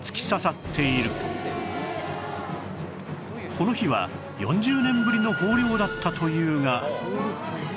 この日は４０年ぶりの豊漁だったというが